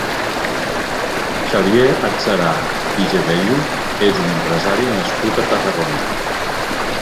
Xavier Adserà i Gebelli és un empresari nascut a Tarragona.